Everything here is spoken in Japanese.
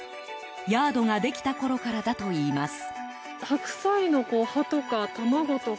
ヤードができたころからだといいます。